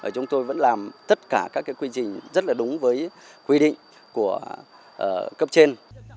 chúng tôi vẫn làm tất cả các quy trình rất là đúng với quy định của cấp trên